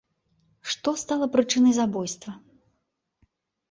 Што стала прычынай забойства?